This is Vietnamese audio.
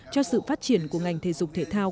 cho sự phát triển của ngành thể dục thể thao